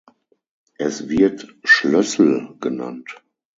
Es wird Schlössl genannt.